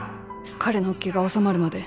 彼の気が治まるまで。